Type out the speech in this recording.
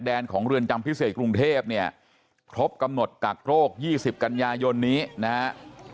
ของเรือนจำพิเศษกรุงเทพเนี่ยครบกำหนดกักโรค๒๐กันยายนนี้นะฮะ